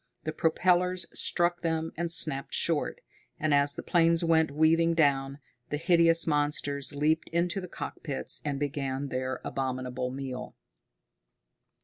The propellers struck them and snapped short, and as the planes went weaving down, the hideous monsters leaped into the cockpits and began their abominable meal.